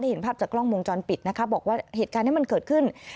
เห็นภาพจากกล้องวงจรปิดนะคะบอกว่าเหตุการณ์ที่มันเกิดขึ้น